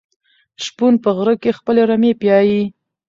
شپون په غره کې خپلې رمې پيايي.